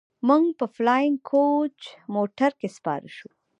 موږ په فلاينګ کوچ موټر کښې سپاره سو.